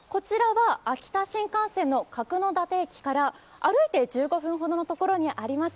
こちらは秋田新幹線の角館駅から歩いて１５分ほどのところにあります